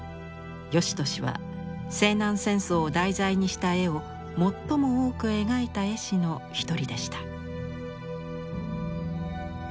芳年は西南戦争を題材にした絵を最も多く描いた絵師の一人でした。